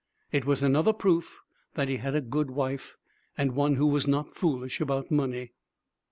It was another proof that he had a good wife, and one who was not foolish about money.